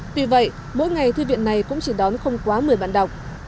tuy vậy mỗi ngày thư viện này cũng chỉ đón không quá một mươi bạn đọc